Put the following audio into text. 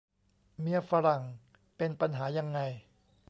เมียฝรั่งเป็นปัญหายังไง